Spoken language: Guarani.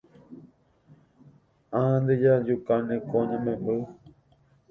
Ág̃ante jajukáne ko añamemby.